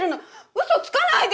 ウソつかないで。